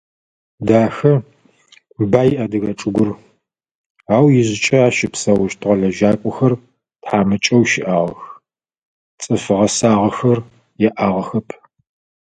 Дахэ, бай адыгэ чӏыгур, ау ижъыкӏэ ащ щыпсэущтыгъэ лэжьакӏохэр тхьамыкӏэу щыӏагъэх, цӏыф гъэсагъэхэр яӏагъэхэп.